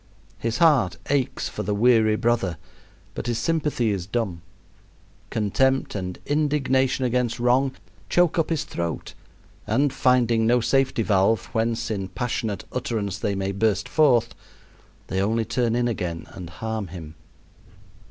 His heart aches for the weary brother, but his sympathy is dumb. Contempt and indignation against wrong choke up his throat, and finding no safety valve whence in passionate utterance they may burst forth, they only turn in again and harm him.